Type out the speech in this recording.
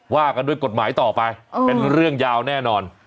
ว่ากันด้วยกฎหมายต่อไปเป็นเรื่องยาวแน่นอน